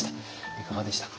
いかがでしたか？